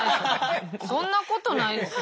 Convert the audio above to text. そんなことないですよ。